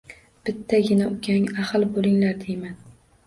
Bittagina ukang, ahil bo‘linglar, deyman